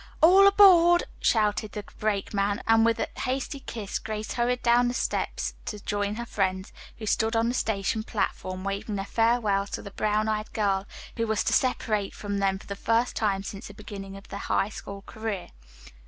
"All aboard," shouted the brakeman, and with a hasty kiss Grace hurried down the steps to join her friends, who stood on the station platform waving their farewells to the brown eyed girl who was to separate from them for the first time since the beginning of their High School career.